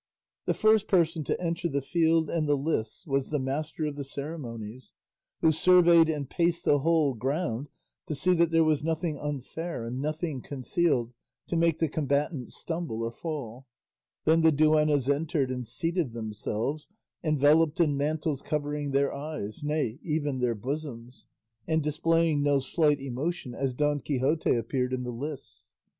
The first person to enter the field and the lists was the master of the ceremonies, who surveyed and paced the whole ground to see that there was nothing unfair and nothing concealed to make the combatants stumble or fall; then the duennas entered and seated themselves, enveloped in mantles covering their eyes, nay even their bosoms, and displaying no slight emotion as Don Quixote appeared in the lists.